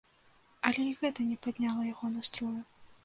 Але і гэта не падняло яго настрою.